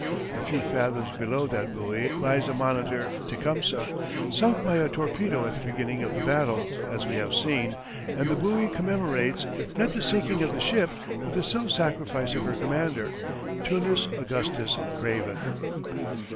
A few fathoms below that buoy lies the monitor Tecumseh, sunk by a torpedo at the beginning of the battle, as we have seen, and the buoy commemorates, not the sinking of the ship, but the self sacrifice of her commander, Tunis Augustus Craven.